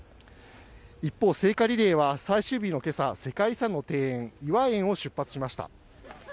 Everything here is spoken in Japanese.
一方、聖火リレーは最終日の今朝、世界遺産の庭園頤和園を出発しました。